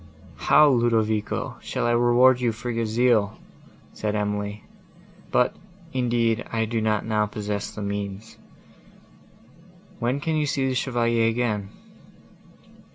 "How, Ludovico, shall I reward you for your zeal?" said Emily: "but, indeed, I do not now possess the means. When can you see the Chevalier again?"